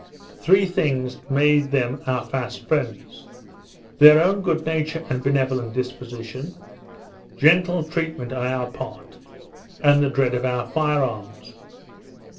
Three things made them our fast friends. Their own good nature and benevolent disposition; gentle treatment on our part; and the dread of our fire arms.